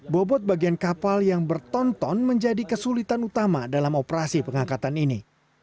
bobot bagian kapal yang bertonton menjadi kesulitan utama dalam operasi pengangkatan ini